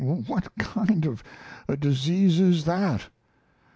What kind of a disease is that?